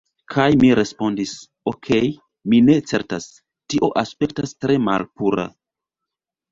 Kaj mi respondis, "Okej mi ne certas... tio aspektas tre malpura..."